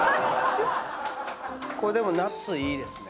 これでも夏いいですね。